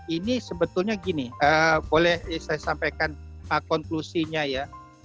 ini sebetulnya gini boleh saya sampaikan konklusinya ya